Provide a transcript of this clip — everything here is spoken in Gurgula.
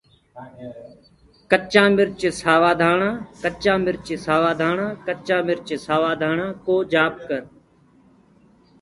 ڪچآ مِرچ سوآ ڌآڻآ ڪچآ مِرچ سآوآ ڌآڻآ ڪچآ مِرچ سآوآ ڌآڻآ ڪو جآپ ڪرو۔